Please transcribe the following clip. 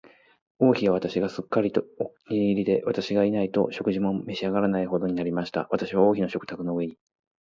王妃は私がすっかりお気に入りで、私がいないと食事も召し上らないほどになりました。私は王妃の食卓の上に、